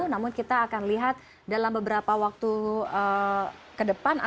namun kita akan lihat dalam beberapa waktu ke depan